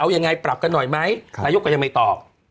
เอายังไงปรับกันหน่อยไหมนายกก็ยังไม่ตอบ